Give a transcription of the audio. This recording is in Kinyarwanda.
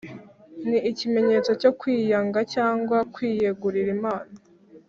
Ni ikimenyetso cyo kwiyanga cyangwa kwiyegurira Imana